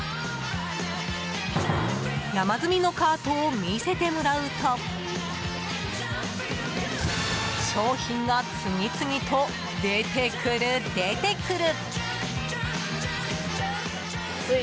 山積みのカートを見せてもらうと商品が次々と出てくる出てくる！